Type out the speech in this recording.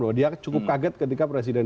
loh dia cukup kaget ketika presiden